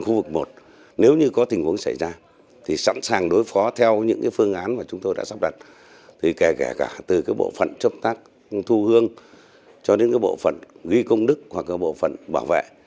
kể cả từ bộ phận chấp tác thu hương cho đến bộ phận ghi công đức hoặc bộ phận bảo vệ